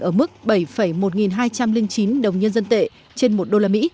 ở mức bảy một nghìn hai trăm linh chín đồng nhân dân tệ trên một đô la mỹ